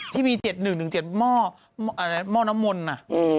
ที่มี๗๑๑๗หม่อนมนตร์